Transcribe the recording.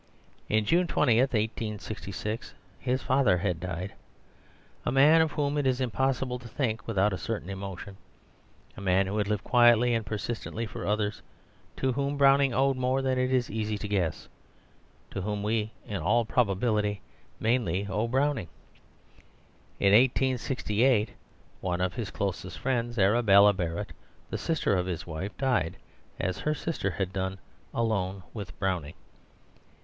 On June 20, 1866, his father had died, a man of whom it is impossible to think without a certain emotion, a man who had lived quietly and persistently for others, to whom Browning owed more than it is easy to guess, to whom we in all probability mainly owe Browning. In 1868 one of his closest friends, Arabella Barrett, the sister of his wife, died, as her sister had done, alone with Browning.